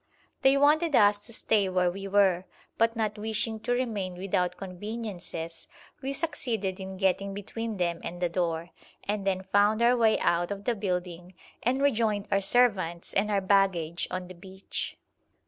They wanted us to stay where we were, but not wishing to remain without conveniences, we succeeded in getting between them and the door, and then found our way out of the building and rejoined our servants and our baggage on the beach.